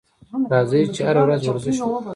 راځئ چې هره ورځ ورزش وکړو.